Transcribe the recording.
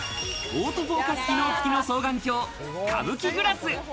オートフォーカス機能付きの双眼鏡・カブキグラス。